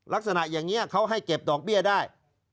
ลักษณะอย่างนี้เขาให้เก็บดอกเบี้ยได้